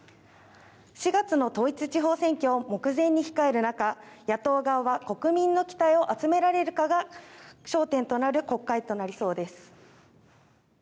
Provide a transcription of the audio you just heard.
４月の統一地方選挙を目前に控える中野党側は国民の期待を集められるかが焦点となる国会となりそうです。